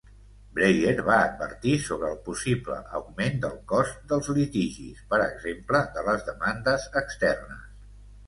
Breyer va advertir sobre el possible augment del cost dels litigis, per exemple, de les demandes externes.